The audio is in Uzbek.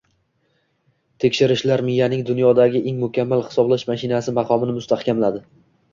Tekshirishlar miyaning dunyodagi eng mukammal hisoblash mashinasi maqomini mustahkamladi